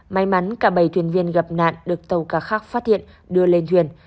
may mắn cả bảy thuyền viên gặp nạn được tàu cá khác phát hiện đưa lên thuyền